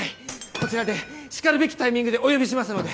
こちらでしかるべきタイミングでお呼びしますので！